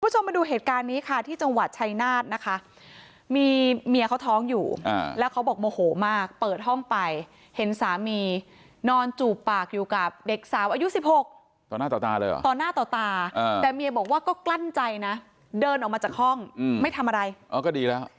คุณผู้ชมมาดูเหตุการณ์นี้ค่ะที่จังหวัดชัยนาธนะคะมีเมียเขาท้องอยู่แล้วเขาบอกโมโหมากเปิดห้องไปเห็นสามีนอนจูบปากอยู่กับเด็กสาวอายุสิบหกต่อหน้าต่อตาเลยเหรอต่อหน้าต่อตาแต่เมียบอกว่าก็กลั้นใจนะเดินออกมาจากห้องไม่ทำอะไรอ๋อก็ดีแล้ว